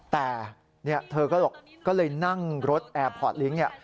แต่เธอก็เลยนั่งรถแอร์พอร์ตลิงค์